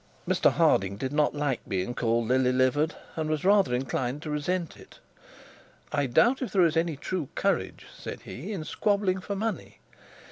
Mr Harding did not like being called lily livered, and was rather inclined to resent it. 'I doubt there is any true courage,' said he, 'in squabbling for money.'